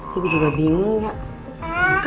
siti juga bingung ya